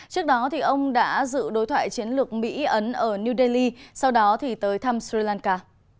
trước đó ông đã dự đối thoại chiến lược mỹ ấn ở new delhi sau đó thì tới thăm sri lanka